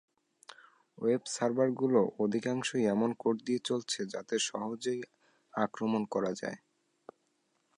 Web সার্ভারগুলোর অধিকাংশই এমন কোড দিয়ে চলছে, যাতে সহজে আক্রমণ করা যায়।